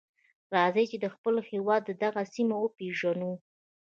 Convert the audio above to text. راځئ چې د خپل هېواد دغه سیمه وپیژنو.